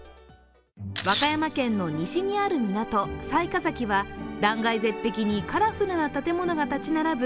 和歌山県の西にある港、雑賀崎は断崖絶壁にカラフルな建物が立ち並ぶ